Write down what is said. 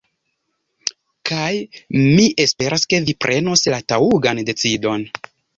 Kaj mi esperas ke vi prenos la taŭgan decidon